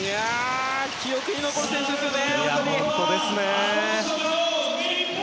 記憶に残る選手ですよね。